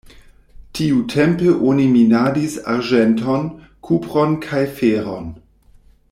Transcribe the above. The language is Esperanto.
Tiutempe oni minadis arĝenton, kupron kaj feron.